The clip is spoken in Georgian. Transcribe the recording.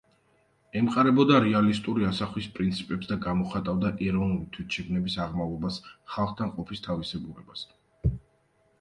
ემყარებოდა რეალისტური ასახვის პრინციპებს და გამოხატავდა ეროვნული თვითშეგნების აღმავლობას ხალხთან ყოფის თავისებურებას.